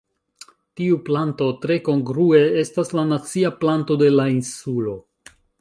Tiu planto tre kongrue estas la nacia planto de la insulo.